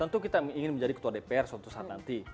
tentu kita ingin menjadi ketua dpr suatu saat nanti